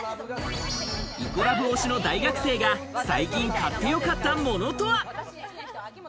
イコラブを推しの大学生が最近買ってよかったものとは？